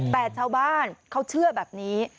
แต่ชาวบ้านเขาเชื่อแบบนี้